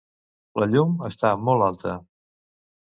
La llum està molt alta.